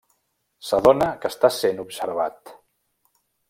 S'adona que està sent observat.